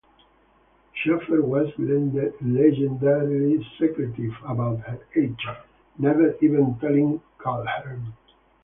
Schafer was legendarily secretive about her age, never even telling Calhern.